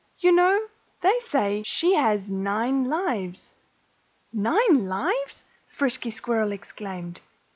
"You know, they say she has nine lives." "Nine lives!" Frisky Squirrel exclaimed.